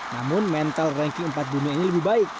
namun mental ranking empat dunia ini lebih baik